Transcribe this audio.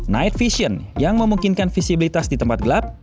night vision yang memungkinkan visibilitas di tempat gelap